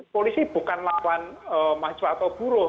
polisi bukan lawan mahasiswa atau buruh